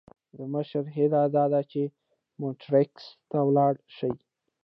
د مشر هیله داده چې مونټریکس ته ولاړ شي.